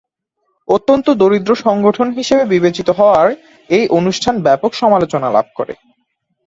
"অত্যন্ত দরিদ্র সংগঠন" হিসেবে বিবেচিত হওয়ায় এই অনুষ্ঠান ব্যাপক সমালোচনা লাভ করে।